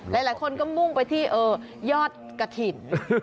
หลายคนก็มุ่งไปที่ยอดกระถิ่น